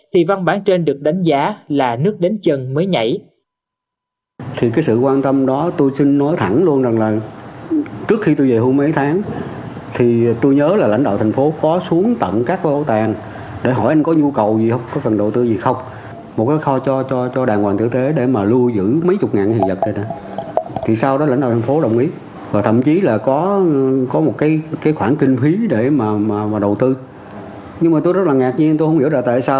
thì văn bản trên được đánh giá là nước đến chân mới nhảy